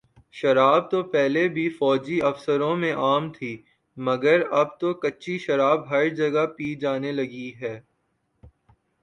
شراب تو پہلے بھی فوجی آفیسروں میں عام تھی مگر اب تو کچی شراب ہر جگہ پی جانے لگی ہے